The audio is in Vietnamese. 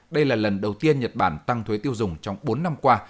đây là lần đầu tiên nhật bản tăng thuế tiêu dùng trong bốn năm qua